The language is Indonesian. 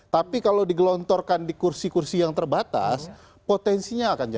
tapi kalau digelontorkan di kursi kursi yang terbatas potensinya akan jauh